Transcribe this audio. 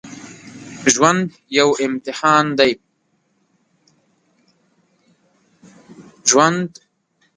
ژوند یو امتحان دی